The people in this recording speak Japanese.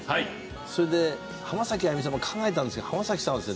それで浜崎あゆみさんも考えたんですけど浜崎さんはですね